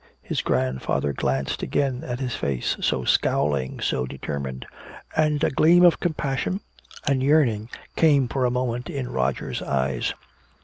His grandfather glanced again at his face, so scowling, so determined. And a gleam of compassion and yearning came for a moment in Roger's eyes.